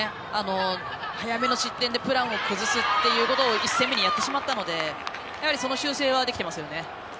早目の失点でプランを崩すということを１戦目にやってしまったのでその修正はできていますよね。